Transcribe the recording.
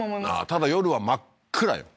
ただ夜は真っ暗よ